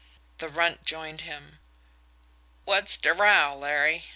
The Runt joined him. "Wot's de row, Larry?"